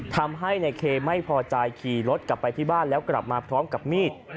ทำให้ในเคไม่พอใจขี่รถกลับไปที่บ้านแล้วกลับมาพร้อมกับมีด